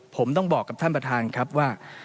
ผมต้องบอกกับท่านประธานครับว่า